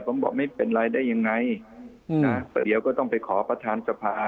ผมบอกไม่เป็นไรได้ยังไงนะเดี๋ยวก็ต้องไปขอประธานสภา